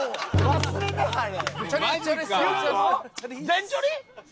全チョリ？